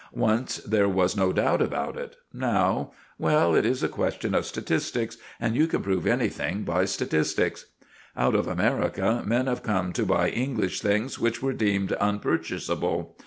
Once there was no doubt about it; now well, it is a question of statistics, and you can prove anything by statistics. Out of America men have come to buy English things which were deemed unpurchasable.